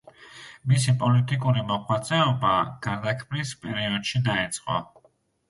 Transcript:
მისი პოლიტიკური მოღვაწეობა გარდაქმნის პერიოდში დაიწყო.